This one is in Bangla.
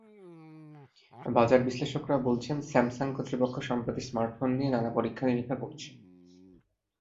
বাজার বিশ্লেষকেরা বলছেন, স্যামসাং কর্তৃপক্ষ সম্প্রতি স্মার্টফোন নিয়ে নানা পরীক্ষা নিরীক্ষা করছে।